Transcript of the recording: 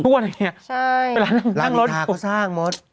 ใช่ร้านมีคาก็สร้างมด